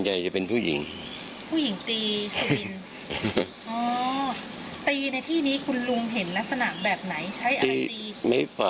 ใครเป็นคนตีใคร